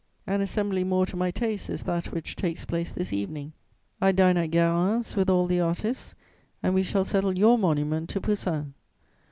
An assembly more to my taste is that which takes place this evening: I dine at Guérin's with all the artists and we shall settle your monument to Poussin.